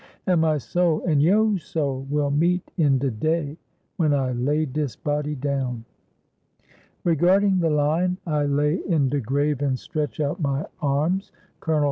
An' my soul an' yo' soul will meet in de day When I lay dis body down." Regarding the line, "I lay in de grave an' stretch out my arms," Col.